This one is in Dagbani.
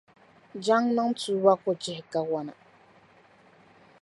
Jaŋa niŋ tuuba ku chihi kariwana.